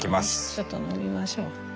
ちょっと飲みましょう。